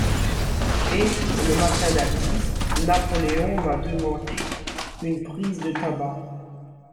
Et, le matin d'Athis, Napoleon m'a demande une prise de tabac.